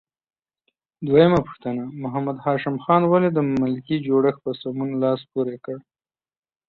دویمه پوښتنه: محمد هاشم خان ولې د ملکي جوړښت په سمون لاس پورې کړ؟